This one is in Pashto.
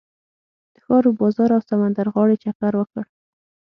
د ښار و بازار او سمندر غاړې چکر وکړ.